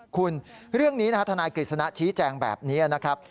คุณเรื่องนี้นะฮะทนายกฤษณะชี้แจงแบบนี้นะครับ